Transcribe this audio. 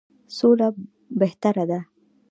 سوله بهتره ده.